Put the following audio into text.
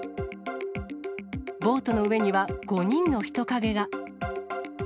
ボートの上には５人の人影が。